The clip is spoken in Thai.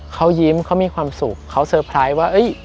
เขายิ้มเขามีความสุขเขาเซอร์ไพรส์ว่า